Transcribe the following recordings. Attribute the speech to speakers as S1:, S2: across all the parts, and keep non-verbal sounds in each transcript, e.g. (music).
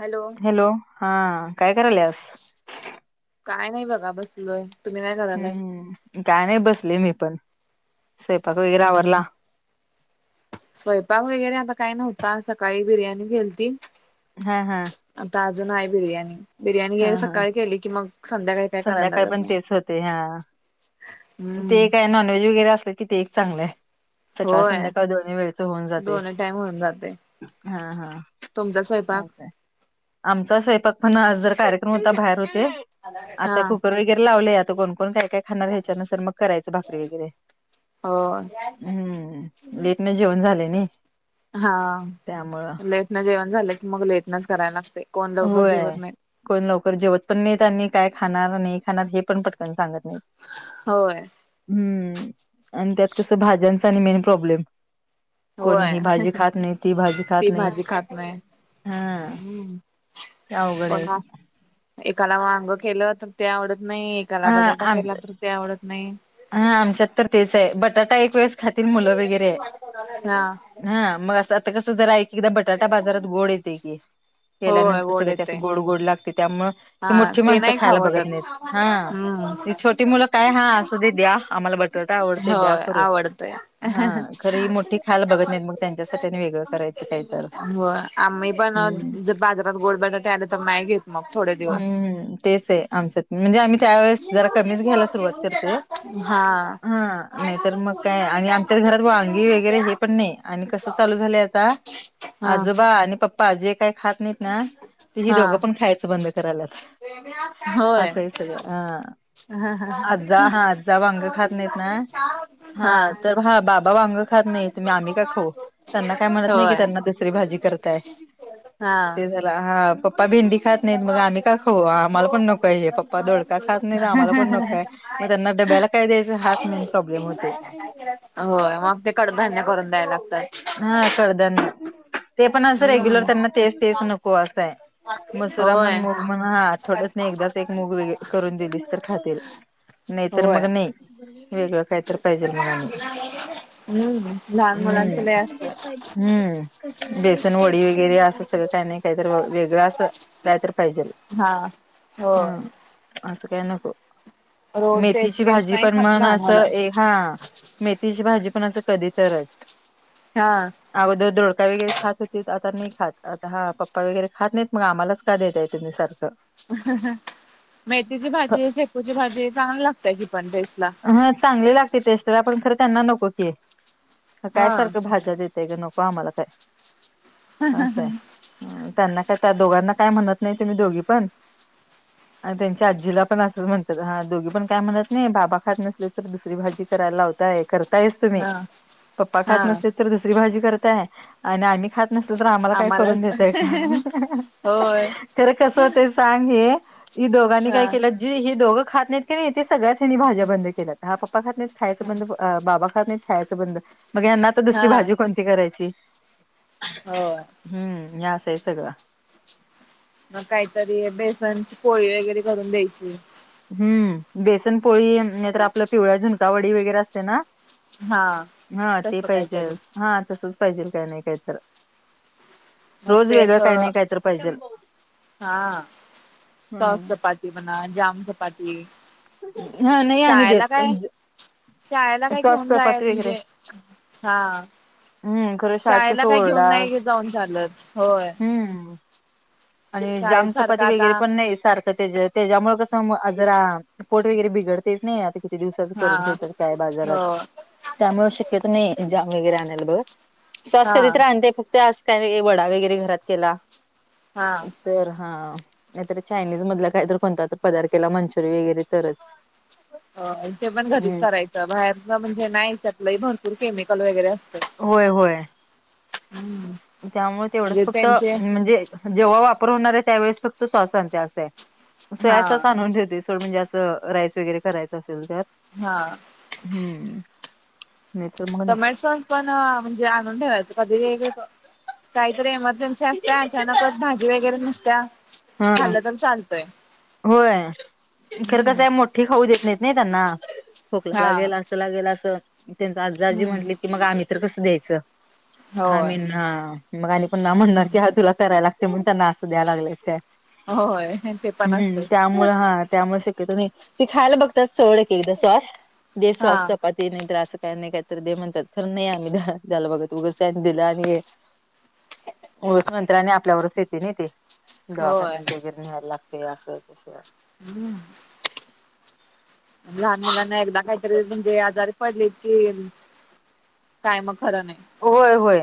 S1: Hello
S2: hello हा काय करायल आस
S1: काय नाही बघा बसलोय तुम्ही नाही करालाय
S2: हम्म काय नाही बसले मी पण स्वैंपाक वगैरे आवरला
S1: हम्म स्वयंपाक वगैरे आता काही नव्हता सकाळी बिर्याणी घेलती
S2: हा हा
S1: आता अजून आहे बिर्याणी
S2: हा
S1: बिर्याणी
S2: हा
S1: सकाळी केली कि मग संध्याकाळी काय करायला
S2: संध्याकाळी
S1: लागत
S2: पण
S1: नाही
S2: तेच होते हा ते
S1: हम्म
S2: काय नॉनव्हेज वगैरे असलं कि ते एक चांगलं आहे सकाळ
S1: होय
S2: संध्याकाळ दोन्ही वेळच होऊन जाते
S1: दोन्ही टाइम होऊन जाते
S2: हा हा
S1: तुमचा
S2: चालत
S1: स्वयंपाक
S2: आहे आमचा स्वयंपाक पण आज जर कार्यक्रम होता बाहेर होते
S1: हा
S2: आता कुकर वगैरे लावलेय आता कोणकोण काय काय खाणार ह्याच्यानुसार मग करायचं भाकरी वगैरे (inaudible)
S1: हो
S2: लेटन जेवण झाले नाही
S1: हा
S2: त्यामुळं
S1: लेटन जेवण झालं की मग लेटनच करायला लागते कोण लवकर
S2: होय
S1: जेवत नाही
S2: कोण लवकर जेवत पण नाही त्यांनी काय खाणार नाही खाणार हे पण पटकन सांगत नाही
S1: होय
S2: हम्म आणि त्यात कसं भाज्यांचा आणि मेन प्रॉब्लेम
S1: होय
S2: कोणीही भाजी खात नाही ती भाजी खात
S1: ती
S2: नाही
S1: भाजी खात
S2: हम
S1: पण एकाला वांग केलं तर ते आवडत नाही कला
S2: हा
S1: बटाटा
S2: आम
S1: केला तर ते आवडत नाही
S2: हा आमच्यात तर तेच आहे बटाटा एक वेळेस खातील मुलं वगैरे
S1: हा
S2: आहे हा मग अस आता कसं जरा आहे की एकदा बटाटा बाजारात गोड येते की
S1: होय
S2: केल्यानंतर
S1: गोड
S2: सगळं जास्त
S1: येतय
S2: गोड गोड लागते त्यामु
S1: हा ते नाही खावटत हम्म
S2: ती छोटी मुलं काय हा असू दे द्या आम्हाला बटाटा आवडते द्या
S1: होय
S2: करून
S1: आवडतय
S2: हा खरं ही मोठी खायला बघत नाहीत मग त्यांच्यासाठी आणि वेगळं करायचं काही तर
S1: हो आम्ही पण
S2: हम्म
S1: जर बाजारात गोडबटाटे आला नाही घेत मग थोडे दिवस.
S2: हम्म तेच आहे आमच म्हणजे आम्ही त्यावेेळेस जरा कमीच घ्यायला सुरुवात करते
S1: हा
S2: हा नाहीतर मग काय आणि आमच्या घरात वांगी वगैरे हे पण नाही आणि कसं चालू झालंय आता
S1: हा
S2: आजोबा आणि पप्पा जे काही खात नाहीत ना ते ही
S1: हा
S2: दोघं पण खायचं बंद करायलाच ह
S1: होय.
S2: सई सग हह
S1: हा हा.
S2: अजज हा झ वांग खात नाहीत ना हा तर हा बाबा वांग खात नाहीुम्ही आम्ही का खाऊ त्यांना काय म्हणत नाही की
S1: होय
S2: त्यांना दुसरी भाजी करताय
S1: हा.
S2: ते झाला हा पप्पा भेंडी खात नाहीत मग आम्ही का खऊ आम्हाला पण नको आहे हे पप्पा दोडका खात नाहीत आ्हाला पण नको आहे मग त्यांना डब्याला काय द्यायचं हाच मेन प्रॉब्लेम होते
S1: होय मग ते कडधान्य करून द्याय लागतात
S2: हा कडदानना ते पण असं रेग्युलर
S1: हम्म
S2: त्यांना तेस तेस नको असं आहे मसुरा म्हण
S1: होय
S2: मूग म्हण हा थोडच नाही एकदाच एक मूग व करून दिलीस तर खातील नाही तरर मग
S1: होय
S2: नाही वेगळं काहीतरी पाहिजेल मग आणि
S1: हम्म लहान मुलांच लय असत
S2: हम्म हम्म बेचन वडी वगैरे असं सगळं काही नाही काही तर वेगळं असं रायत्र पाहिजे
S1: हा हो
S2: असं काय नको
S1: रोज तेच
S2: मेथीची
S1: तेच
S2: भाजी
S1: नाही
S2: पण
S1: खात
S2: मण
S1: लहान
S2: असं
S1: मुलं
S2: एक हा मेथीची भाजी पण असं कधी तरच
S1: हा
S2: अगोदर डोडका वगैरे खात होती आता नाही खात आता हा पप्पा वगैरे खात नाहीत मग आम्हालाच देत आहे तुम्ही सारखं
S1: मेथीची भाजी शेकूची भाजी आहे चांग लागतेय की पण टेस्ट ला
S2: हा चांगली लागते टेस्टला पण खर त्यांना नको की काय
S1: हा
S2: सारखं भाज्या देत ते नको आम्हाला काय असं आहे त्यांना का त्या दोघांना काय म्हणत नाही तुम्ही दोघी पण आणि त्यांच्या आजीला पण असं म्हणतात हा दोघी पण काय म्हणत नाही बाबा खात नस तर दुसरी भाजी कराय लावताय करताय तुम्ही
S1: हा
S2: पप्पा खात
S1: हा
S2: नस तर दुसरी भाजी करताय आणि आम्ही खात न आम्हाला काय करून देतय का
S1: होय
S2: खर कस सांग हे ही दोघांनी
S1: हा
S2: काय केलं जे हे दोघं खात नाहीत की नाही ते सगळ्याचनी भाजप ् बयच बना दुरीजण करायची
S1: हो
S2: हम्म या से सगळ
S1: मग काहीतरी बेसनची पोळी वगैरे करून द्यायची
S2: हम्म बेसनपोळी नाही तर आपल्या पिवळ्या झुणकावडी वगैरे असते ना
S1: हा.
S2: हा ते
S1: तसं
S2: पाहिजे
S1: काहीतरी
S2: हा तसच पाहिजेल काय नाही काय तर
S1: मग
S2: रोज
S1: ते
S2: वेगळं काही
S1: असं
S2: नाही काय तर पाहिजे
S1: हा सॉस चपाती बना जाम चपाती
S2: हा नाही आम्ही
S1: शाळेला
S2: देत
S1: काय शाळेला काय
S2: श्वास
S1: घेऊन जायल
S2: चपाती वगैरे
S1: म्हणजे हा
S2: हम्म खरं शात
S1: शाळेला काय
S2: सोरडा
S1: घेऊन नाही जाऊन चालत होय.
S2: हम्म आणि
S1: शाळेत सारखं
S2: जामचपाती
S1: आता
S2: वगैरे पण नाही सारखं त्याच्यामुळे कसं जरा पोट वगैरे बिघडतेेत नाही आता ती दिवसाच करून
S1: हा
S2: ठेवतात काय बाजारात
S1: हो
S2: त्यामुळं शक्यतो नाही जाम वगैरे आणायला बघत सॉस
S1: हा
S2: कधीतर आणते फक्त आज कायर गे वडा वगैरे घरात केला.
S1: हा.
S2: तर हा नाहीतर चायनीज मधला काहीतर कोणता तर पदार केला मंचुरि वगैरे तरच.
S1: हो ते पण घरीच
S2: हम्म
S1: करायचं बाहेरचं म्हणजे नाही त्यातलं भरपूर केमिकल वगैरे असत.
S2: होय होय.
S1: हम्म.
S2: त्यामुळ तेवढंच
S1: म्हणजे
S2: फक्त
S1: त्यांचे
S2: म्हणजे जेव्हा वापर होणार आहे त्यावेळेस फक्त सॉसांचा अस आहे
S1: हा
S2: सोया सॉस आणून ठेवतेस सोड म्हणजे असं राईस वगैरे करायचं असेल तर.
S1: हा.
S2: हम्म. नाही तर मग
S1: टमॅटसॉस पण म्हणजे आणून ठेवायचं कधी वेगळ काहीतरी एमर्जन्सी असते अचानकच भाजी वगैरे नुसत्या
S2: नाही हा
S1: खाल पण चालतोय
S2: होय खरं कसय मोठी खाऊ देत नाहीत नाही त्यांना खोकला
S1: हा
S2: लागेला. तला गेला अस त्यांचा आजा आज्जी
S1: हम्म
S2: म्हटलीत की मग आम्ही तर कसं द्यायचं. हा
S1: होय.
S2: मी नं मग आणि पुन्हा म्हणणार
S1: हम्म
S2: की हा तुला करायला ते म्हण त्यांना असं द्या लागलेस काय?
S1: हो होय ते प
S2: हम्म त्यामुळं हं त्यामुळं शक्यतो नाही. ते खायला बघतात सोड एक एकदा सॉस दे
S1: हा
S2: सॉस चपा ते नाही तर आचं काय नाही काहीतरी दे म्हणतात. खरं नाही आम्ही द हा द्याला बघत उगच त्यास दिलं आणि हे होय खंतर आणि आपल्यावरच येते नाही ते.
S1: होय.
S2: दवाखान्यात दोघे न्यायला लागते आस तस.
S1: हम्म. लहान मुलांना एकदा काहीतरी म्हणजे आजारी पडलेत कि काय मग खरं नाही.
S2: होय होय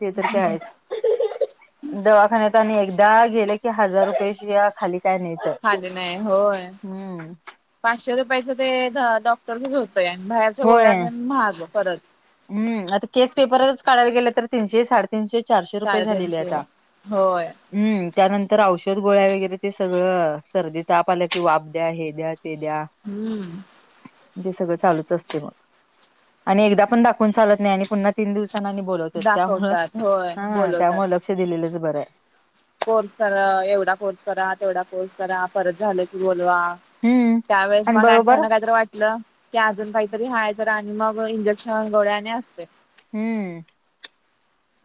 S2: ते तर काय आहेच. (unintelligible) दवाखान्यात आणि एकदा गेले कि हजार रुपयेशीव्या खाली काय नाही.
S1: खाली नाही होय. पाचशे रुपयाच ते द डॉक्टरचच होतय आणि बाहेर च्या
S2: होय
S1: गोळ्या तेन महाग परत.
S2: हम्म आता केस पेपरच काढायला गेले तर तीनशे साडेतीनशे चारशे रुपये झालेले
S1: साडेतीनशे
S2: आता.
S1: होय
S2: हम्म त्यानंतर औषध गोळ्या वगैरे ते सगळं सर्दी ताप आल कि वाप द्या हे द्या ते द्या.
S1: हम्म.
S2: दे सगळं चालूच असते बा आणि एकदा पण दाखवून चालत नाही आणि पुन्हा तीन दिवसांन आणि बोलवते त्यामुळं
S1: दाखवतात होय
S2: हम्म
S1: बोलवतात.
S2: त्यामुळं लक्ष दिलेलंच बरंय.
S1: कोर्स करा एवढा कोर्स करा तेवढा कोर्स करा परत झालं की बोलवा.
S2: हम्म
S1: त्यावेेळेस मग आणि त्यांना कायतर वाट लं की अजून काहीतरी हाय तर आणि मग इंजक्शन गोळ्या आणि असते.
S2: हम्म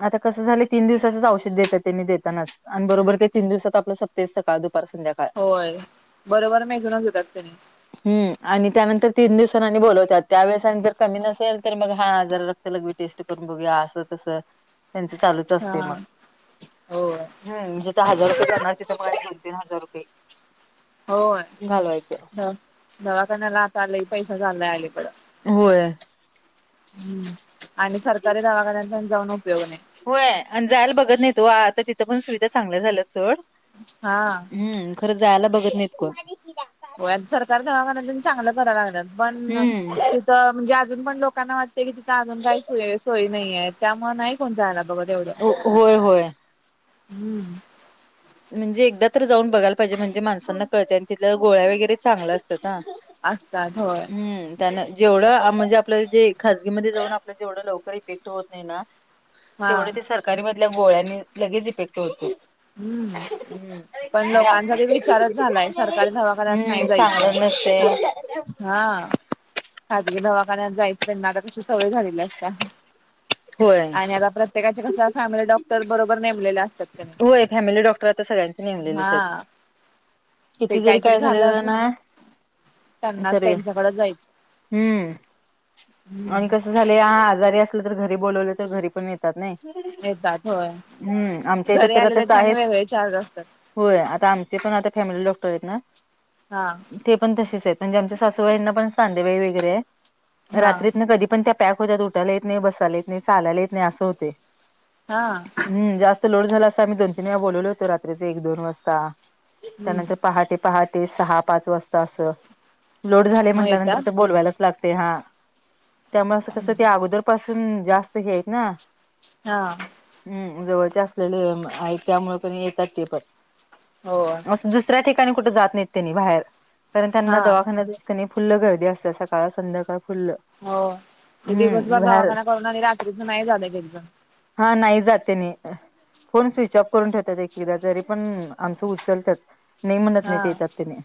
S2: आता कस झालंय तीन दिवसाचच औषध देतात त्यांनी देतानाच. आणि बरोबर ते तीन दिवसात आपलं सप्तय सकाळ दु
S1: होय बरोबर मेजुनच देतात तेनी.
S2: हम्म आणि त्यानंतर तीन दिवसानं आणि बोलवतात त्यावेळेस आणि जर कमी नसेल तर मग हा जर लगवी टेस्ट पण बघूया असं तस त्यांच चालूच असते
S1: हा
S2: मग.
S1: होय.
S2: हम्म जिथं हजार रुपये करणार तिथं म आणि दोन तीन हजार रुपये.
S1: होय
S2: घालवायचे
S1: द दवाखान्याला आता लई पैसा चाललाय आलीकडं.
S2: होय
S1: हम्म आणि सरकारी दवाखान्यात पण जाऊन उपयोग नाही.
S2: होय आणि जायला बघत नाही ओ आता तिथं पण सुविधा चांगल्या झाल्यात सोड.
S1: हा.
S2: हम्म खरं जायला बघत नाहीत कोण.
S1: होया सरकार दवाखान्यातून चांगलं कराय लागणार पण
S2: हम्म
S1: तिथं म्हणजे अजून पण लोकांना की तिथं अजून काही सोय सोय नाहीये त्यामुळे नाही कोण जायला बघत एवढ.
S2: होय होय.
S1: हम्म.
S2: म्हणजे एकदा तर जाऊन बघायला पाहिजे म्हणजे माणसांना कळते आणि तिथल्या गोळ्या वगैरे चांगलं असतं ना.
S1: असतात होय.
S2: हम् त्यान जेवढं म्हणजे आपल्या जे खाजगीमध्ये जाऊन आपलं तेवढं लवकर येते होत नाही ना
S1: हा
S2: तेवढं ते सरकारी मधल्या गोळ्यांनी लगेच इफेक्ट होतो.
S1: हमम.
S2: हम्म
S1: पण लोकांचा विचारच झालाय सरकारी दवाखान्यात नाही
S2: हम्म
S1: जायचं
S2: चांगलं नसतंय.
S1: हा. हा खाजगी दवाखान्यात जायचं त्यांना आता कशी सवय झालेली असते.
S2: होय
S1: आणि आता प्रत्येकाचे कस फॅमिली डॉक्टर बरोबर नेमलेले असते.
S2: होय फॅमिली डॉक्टर आता सगळ्यांचे नेमलेलेच आहेत.
S1: हा ते
S2: किती जरी काय
S1: काहीतरी झालं
S2: झालेलं
S1: की
S2: ना.
S1: त्यांना
S2: तरी
S1: त्यांच्याकडे जायचं
S2: हम्म अन कस झाले ह आजारी असलं तर घरी बोलवले तर घरी पण येतात नाही.
S1: येतात होय.
S2: ते
S1: घरी
S2: तर
S1: आलेल्याचे आणि
S2: आहेच
S1: वेगळे चार्ज असतात
S2: होय आता आमचे पण आता फॅमिली डॉक्टर आहेत ना.
S1: हा.
S2: ते पण तसेच आहेत म्हणजे आमच्या सासूबाईंना पण सांधेवात वगैरे आहे
S1: हा
S2: रात्रीत ना कधी पण त्या पॅक होत्या त उठायला येत नाही बसायला येत नाही चालायला येत नाही असं होते.
S1: हा.
S2: हम् जास्त लोड झाला अस आम्ही दोन तीन वेळा बोलवलो होतो रात्रीचे एक दोन वाजता
S1: हम्म
S2: त्यानंतर पहाटे पहाटे सहा पाच वाजता असं. लोड झाले
S1: मग
S2: म्हटल्यानंतर
S1: येतात
S2: ते बोलवायलाच लागते हा. त्यामुळे असं कसं ते अगोदर पासून जास्त हे आहेत ना.
S1: हा.
S2: हम्म जवळचे असलेले त्यामुळे पण येतात ते पण.
S1: होय.
S2: दुसऱ्या ठिकाणी कुठे जात नाहीत बाहेर पण त्यांना
S1: हा
S2: दवाखान्यात कणी फुल गर्दी असते सकाळ संध्याकाळ फुललं.
S1: हो ते दिवसभर दवाखाना करून आणि रात्रीच नाही जात घरी पण
S2: हा नाही जाते नी. फोन स्विच ऑफ करून ठेवतात एक एकदा तरी पण आमचं उचलतात. नाही म्हणत
S1: हा
S2: नाही त्याच्यात त्याने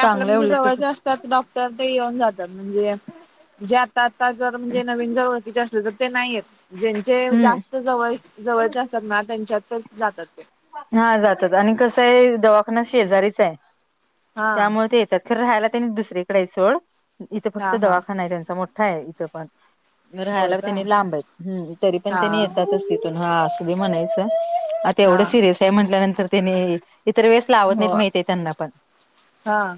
S2: चांगलंये उलट तस.
S1: त्याच डॉक्टर येऊन जातात म्हणजे जे जर म्हणजे नवीन जर ओळखीचे असले तर ते नाहीयेत ज्यांचे
S2: हम्म
S1: जास्त जवळ जवळचे असतात ना त्यांच्यात ते जातात ते.
S2: हा जातात आणि कसंये दवाखाना शेजारीच आहे
S1: हा
S2: त्यामुळे ते येतात. खरं राहायला त्यांनी दुसरीकडे सोड इथं फक्त
S1: हां हां
S2: दवाखाना आहे त्यांचा मोठा आहे इथं पण
S1: होय
S2: राहायला
S1: का
S2: त्यांनी लांब आहेत हमम तरी पण त्यांनी
S1: हां
S2: येतातच की. ह असू दे म्हणायच आता एवढं
S1: हां
S2: सिरियस आहे म्हंटल्यानंतर त्यांनी इतर वेळेस लावत
S1: हो
S2: नाहीत माहीत आहे त्यांना पण
S1: हां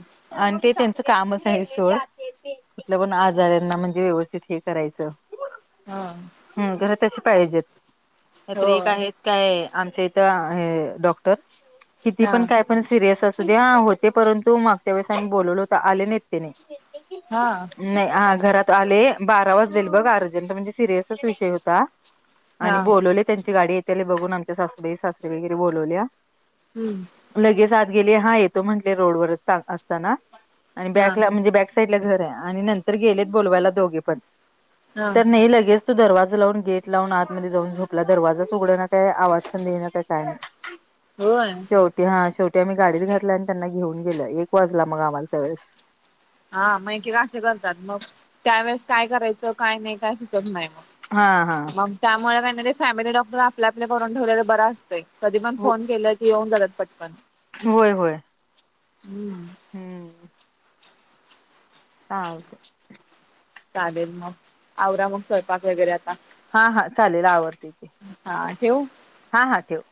S2: आणि ते त्यांचं कामच आहे सोड. कुठल्या पण आजारांना म्हणजे व्यवस्थित हे करायचं.
S1: हा.
S2: हम घर तसे पाहिजेत नाहीत एक
S1: होय
S2: आहेत काय आमच्या त्या आहे डॉक्टर किती
S1: हां
S2: पण काय पण सिरियस असू दे्या होते परंतु मागच्या वेळेस आम्ही बोलवलो तर आले नाहीत ते नाही.
S1: हा.
S2: नाही हा घरात आले, बारा वाजलेल बघ अर्जंट म्हणजे सिरियसच विषय होता. आणि
S1: हां
S2: बोलवले त्यांची गाडी येतेल बघून, आमच्या सासूबाई सासरी वगैरे बोलवल्या.
S1: हम्म.
S2: लगेच आत गेले. हा येतो म्हंटले रोडवरच असताना, आणि
S1: हां
S2: बॅकला म्हणजे बॅक साईडला घर आहे आणि, नंतर गेलेत बोलवायला दोघे पण,
S1: हां
S2: तर नाही लगेच. तो दरवाजा लावून गेट लावून, आतमध्ये जाऊन झोपला दरवाजाचं उघडान काय आवाज. (unintelligible)
S1: होय.
S2: शेवटी हा शेवटी आम्ही गाडीत घातला, आणि त्यांना घेऊन गेलो एक वाजला मग आम्हाला त्या वेळेस.
S1: हा मै एकेकदा असं करत्यात, मग त्यावेेळेस काय करायचं काय नाही काय सुचत नाही मग.
S2: हा हा.
S1: मग त्यामुळे त्यांनी, फॅमिली डॉक्टर आपले आपले करून ठेवलेल बर असतंय. कधी पण
S2: हो
S1: फोन केला की येऊन झालात पटकन.
S2: होय होय.
S1: हम्म.
S2: हम्म. हा.
S1: चालेल मग, आवरा मग स्वयंपाक वगैरे आता.
S2: हा. हा.. चालेल आवरते की,
S1: हां ठेवू
S2: हा हा ठेव.